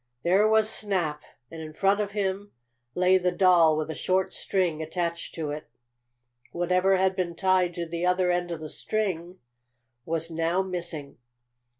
There was Snap, and in front of him lay the doll with a short string attached to it. Whatever had been tied to the other end of the string was now missing.